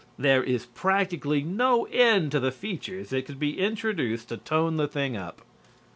There is practically no end to the features that could be introduced to tone the thing up.